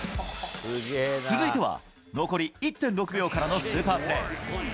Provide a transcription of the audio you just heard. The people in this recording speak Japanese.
続いては、残り１分６秒からのスーパープレー。